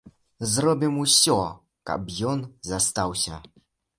Зробім усё, каб ён застаўся.